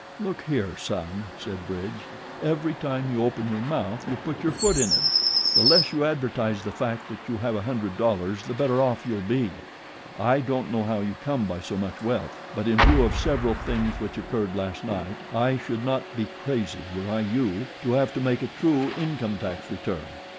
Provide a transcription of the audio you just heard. "Look here, son," said Bridge, "every time you open your mouth you put your foot in it. The less you advertise the fact that you have a hundred dollars the better off you'll be. I don't know how you come by so much wealth; but in view of several things which occurred last night I should not be crazy, were I you, to have to make a true income tax return.